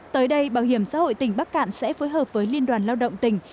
tới đây bảo hiểm xã hội tỉnh bắc cạn sẽ phối hợp với liên đoàn lao động tỉnh